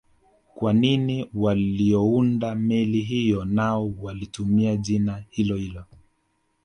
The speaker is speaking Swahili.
Kwa nini waliounda meli hiyo nao walitumia jina hilohilo